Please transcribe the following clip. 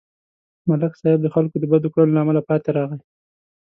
ملک صاحب د خلکو د بدو کړنو له امله پاتې راغی.